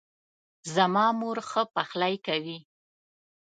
زما مور ښه پخلۍ کوي